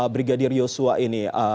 brigadir yosua ini